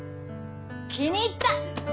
気に入った！